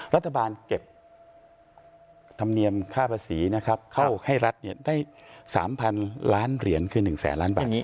รัฐบาลเก็บธรรมเนียมค่าภาษีนะครับเข้าให้รัฐได้๓๐๐๐ล้านเหรียญคือ๑แสนล้านบาท